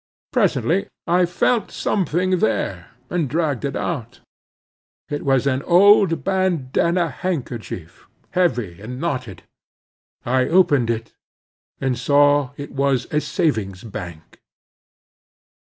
Presently I felt something there, and dragged it out. It was an old bandanna handkerchief, heavy and knotted. I opened it, and saw it was a savings' bank.